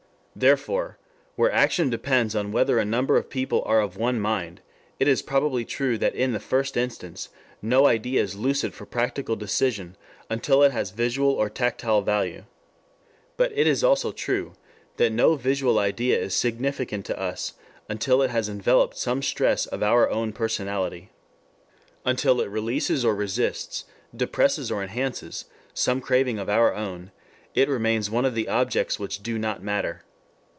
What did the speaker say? Therefore, where action depends on whether a number of people are of one mind, it is probably true that in the first instance no idea is lucid for practical decision until it has visual or tactile value. But it is also true, that no visual idea is significant to us until it has enveloped some stress of our own personality. Until it releases or resists, depresses or enhances, some craving of our own, it remains one of the objects which do not matter.